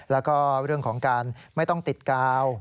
แล้วก็เรื่องของการไม่ต้องติดกาว